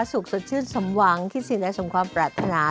สุขสดชื่นสมหวังคิดสิทธิ์และสมความปรารถนา